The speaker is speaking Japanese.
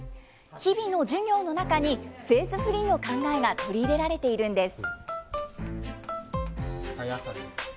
日々の授業の中に、フェーズフリーの考えが取り入れられているんです。